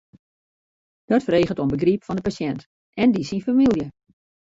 Dat freget om begryp fan de pasjint en dy syn famylje.